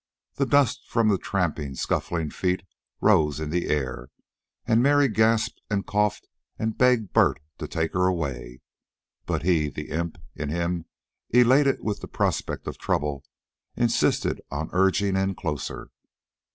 The dust from the trampling, scuffling feet rose in the air, and Mary gasped and coughed and begged Bert to take her away. But he, the imp in him elated with the prospect of trouble, insisted on urging in closer.